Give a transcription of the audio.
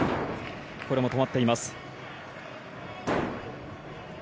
これも止まっています。